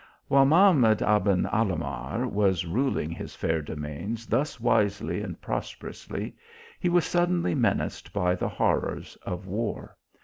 While Mahamad Aben Alahmar was ruling his fair domains thus wisely and prosperously, he was suddenly menaced by the horrors of war.